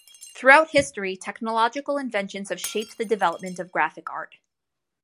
Throughout history, technological inventions have shaped the development of graphic art.